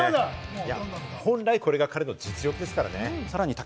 本来、これが彼の実力ですからね、さらに。